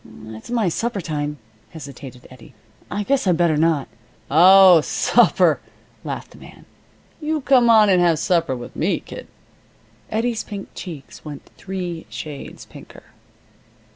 "It's my supper time," hesitated Eddie. "I guess I'd better not " "Oh, supper," laughed the man. "You come on and have supper with me, kid." Eddie's pink cheeks went three shades pinker.